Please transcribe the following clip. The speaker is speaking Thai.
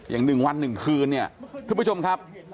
อย่าง๑วัน๑คืนคุณผู้ชมครับ